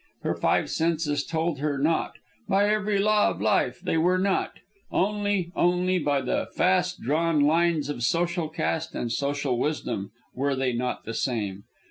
Her five senses told her not; by every law of life they were no; only, only by the fast drawn lines of social caste and social wisdom were they not the same.